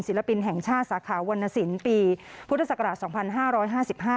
ศิลปินแห่งชาติสาขาวรรณสินปีพุทธศักราชสองพันห้าร้อยห้าสิบห้า